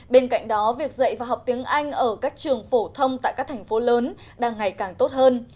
bên cạnh đó việc dạy và học tiếng anh ở các trường phổ thông tại các thành phố lớn đang ngày càng tốt hơn